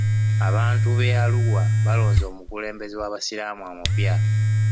Abantu b' Arua balonze omukulembeze w'abasiraamu omupya.